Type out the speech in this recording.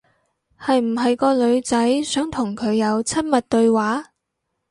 係唔係個女仔想同佢有親密對話？